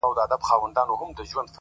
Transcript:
لکه نغمه لکه سيتار خبري ډيري ښې دي ـ